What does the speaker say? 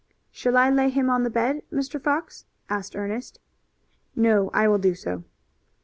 "Shall I lay him on the bed, Mr. Fox?" asked Ernest. "No, I will do so."